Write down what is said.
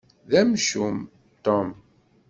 D amcum, Tom.